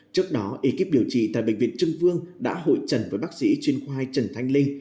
trước đó ekip điều trị tại bệnh viện trưng vương đã hội trần với bác sĩ chuyên khoa trần thanh linh